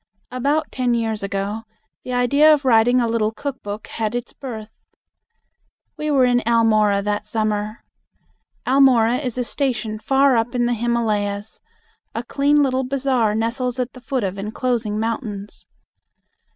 About ten years ago the idea of writing a little cook book had its birth. We were in Almora that summer. Almora is a station far up in the Himalayas, a clean little bazaar nestles at the foot of enclosing mountains.